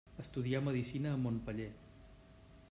Estudià medicina a Montpeller.